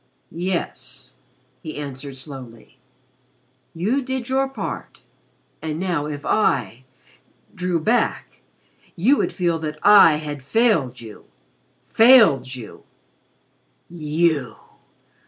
"Yes," he answered slowly. "You did your part and now if I drew back you would feel that I had failed you failed you." "You!"